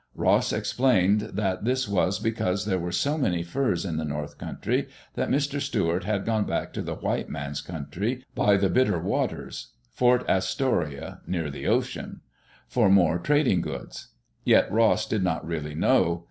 Ross explained that this was because there were so many furs in the north country that Mr. Stuart had gone back to the White Man's Country, by the Bit ter Waters (Fort Astoria, near the ocean), for more trading goods. Yet Ross did not really know.